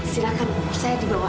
silahkan saya dibawa aja